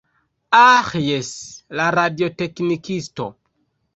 Aĥ, jes, la radioteknikisto.